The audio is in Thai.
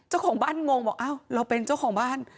เจ้าของบ้านงงบอกอ้าวเราเป็นเจ้าของบ้าน